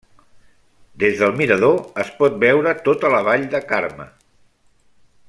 Des del mirador es pot veure tota la vall de Carme.